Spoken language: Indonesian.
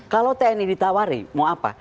kalau tni ditawari mau apa